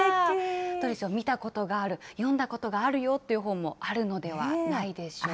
どうでしょう、見たことがある、読んだことがあるよっていう本もあるのではないでしょうか。